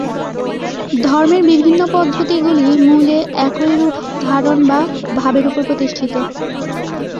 ধর্মের বিভিন্ন পদ্ধতিগুলি মূলে একই রূপ ধারণা বা ভাবের উপর প্রতিষ্ঠিত।